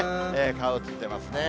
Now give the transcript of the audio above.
顔映ってますね。